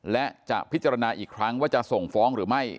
และจะพิจารณาอีกครั้งว่าจะส่งฟ้องหรือไม่